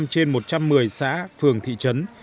sáu mươi năm trên một trăm một mươi xã phường thị trấn